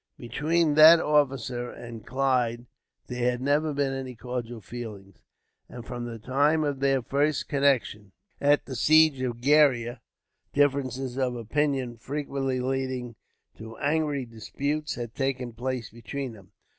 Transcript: Between that officer and Clive there had never been any cordial feeling, and from the time of their first connection, at the siege of Gheriah, differences of opinion, frequently leading to angry disputes, had taken place between them.